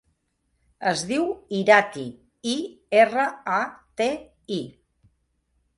Es diu Irati: i, erra, a, te, i.